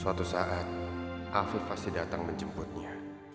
suatu saat afif pasti datang menjemputnya